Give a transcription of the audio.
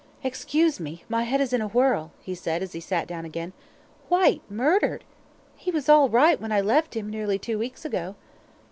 "Excuse me, my head is in a whirl," he said, as he sat down again. "Whyte murdered! He was all right when I left him nearly two weeks ago."